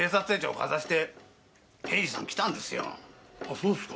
そうですか。